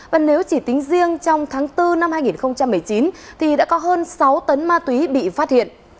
và nếu chỉ tính riêng trong tháng bốn năm hai nghìn một mươi chín thì đã có hơn sáu tấn ma túy bị phát hiện